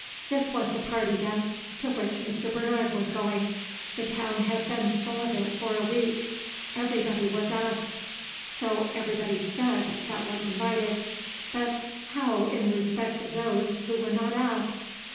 This was the party, then, to which Mr. Bernard was going. The town had been full of it for a week. "Everybody was asked." So everybody said that was invited. But how in respect of those who were not asked?